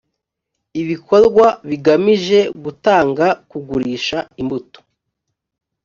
ibikorwa bigamije gutanga kugurisha imbuto